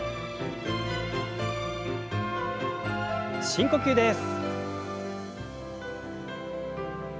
深呼吸です。